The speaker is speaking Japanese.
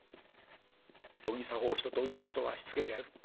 行儀作法一とおりのことはしつけてある。